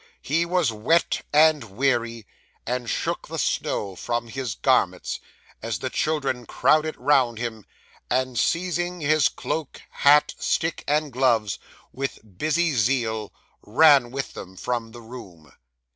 He was wet and weary, and shook the snow from his garments, as the children crowded round him, and seizing his cloak, hat, stick, and gloves, with busy zeal, ran with them from the room.